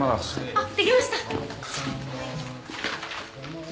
あっできました。